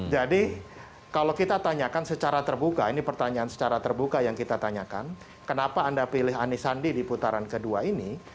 jadi kalau kita tanyakan secara terbuka ini pertanyaan secara terbuka yang kita tanyakan kenapa anda pilih ani sandi di putaran kedua ini